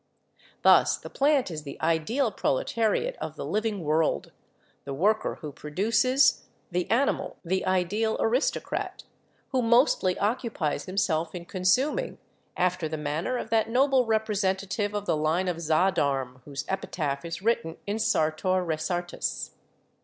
Thus the plant is the idea! proletariat of the living world — the worker who produces — the animal, the ideal aristocrat, who mostly occupies himself in consuming, after the manner of that noble representative of the line of Zahdarm, whose epitaph is written in 'Sartor Resartus.'